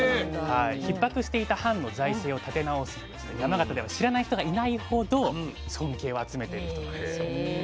ひっ迫していた藩の財政を立て直した人として山形では知らない人がいないほど尊敬を集めている人なんですよ。